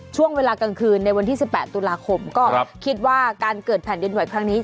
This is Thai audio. ช่วงเวลากลางคืนในวันที่๑๘ตุลาคมก็คิดว่าการเกิดแผ่นดินไหวครั้งนี้